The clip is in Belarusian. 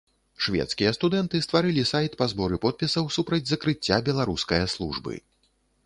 Шведскія студэнты стварылі сайт па зборы подпісаў супраць закрыцця беларускае службы.